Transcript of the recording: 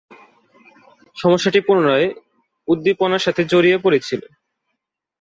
সমস্যাটি পুনরায় উদ্দীপনার সাথে ছড়িয়ে পড়েছিল।